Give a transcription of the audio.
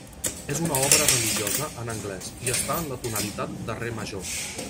És una obra religiosa en anglès, i està en la tonalitat de re major.